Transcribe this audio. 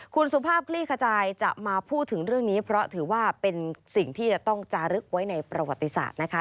คุณสุภาพคลี่ขจายจะมาพูดถึงเรื่องนี้เพราะถือว่าเป็นสิ่งที่จะต้องจารึกไว้ในประวัติศาสตร์นะคะ